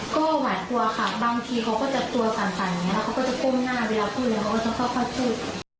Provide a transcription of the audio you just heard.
ก็หวาดกลัวครับบางทีเขาก็จะตัวสั่นอย่างนี้เค้าก็จะก้มหน้าเวลามันก็จะเข้าฝ้าซู่